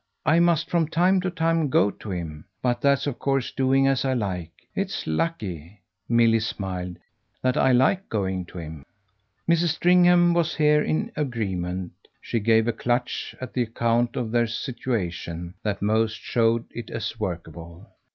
I must from time to time go to him. But that's of course doing as I like. It's lucky," Milly smiled, "that I like going to him." Mrs. Stringham was here in agreement; she gave a clutch at the account of their situation that most showed it as workable.